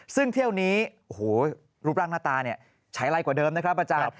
ซึ่งเที่ยวนี้โอ้โหรูปร่างหน้าตาใช้ไรกว่าเดิมนะครับอาจารย์